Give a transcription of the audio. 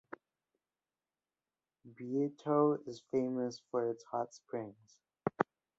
Beitou is famous for its hot springs.